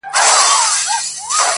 نه یې رنګ نه یې آواز چاته منلی-